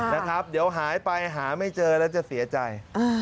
นะครับเดี๋ยวหายไปหาไม่เจอแล้วจะเสียใจ